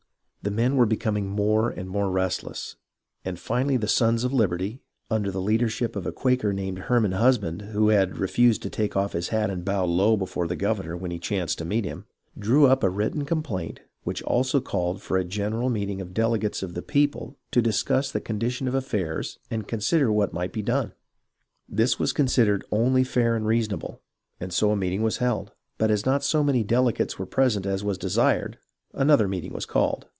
The men were becom ing more and more restless, and finally the Sons of Liberty, under the leadership of a Quaker named Herman Husband, who had refused to take off his hat and bow low before the governor when he chanced to meet him, drew up a written complaint which also called for a general meeting THE FIRST BLOODSHED 2$ of delegates of the people to discuss the condition of affairs and consider what might be done. This was considered only fair and reasonable, and so a meeting was held ; but as not so many delegates were present as was desired, another meeting was called.